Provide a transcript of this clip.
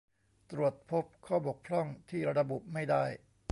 ตรวจพบข้อบกพร่องที่ระบุไม่ได้